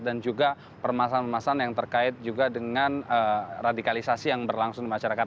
dan juga permasalahan permasalahan yang terkait juga dengan radikalisasi yang berlangsung di masyarakat